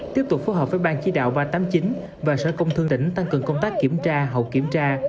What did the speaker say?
tiếp tục phối hợp với ban chỉ đạo ba trăm tám mươi chín và sở công thương tỉnh tăng cường công tác kiểm tra hậu kiểm tra